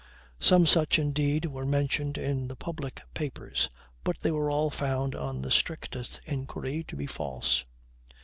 Some such, indeed, were mentioned in the public papers; but they were all found on the strictest inquiry, to be false.